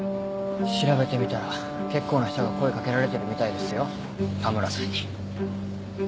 調べてみたら結構な人が声掛けられてるみたいですよ田村さんに。